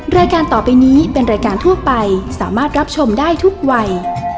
รายการต่อไปนี้เป็นรายการทั่วไปสามารถรับชมได้ทุกวัย